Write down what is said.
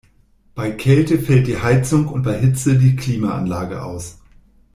Bei Kälte fällt die Heizung und bei Hitze die Klimaanlage aus.